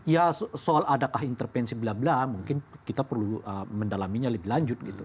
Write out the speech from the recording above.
ya soal adakah intervensi bla bla mungkin kita perlu mendalaminya lebih lanjut gitu